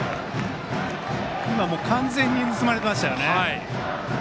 今、完全に盗まれてましたね。